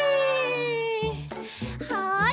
はい。